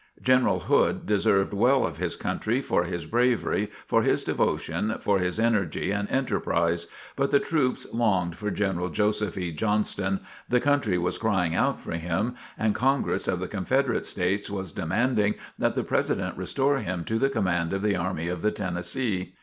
General Hood deserved well of his country for his bravery, for his devotion, for his energy and enterprise. But the troops longed for General Joseph E. Johnston, the country was crying out for him, and Congress of the Confederate States was demanding that the President restore him to the command of the army of the Tennessee.